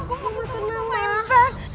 aku mau ketemu sama intan